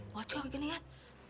wacoh begini kan